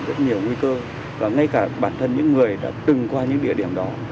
rất nhiều nguy cơ và ngay cả bản thân những người đã từng qua những địa điểm đó